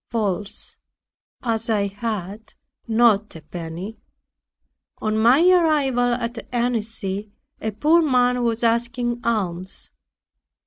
False as I had not a penny. On my arrival at Annecy a poor man was asking alms.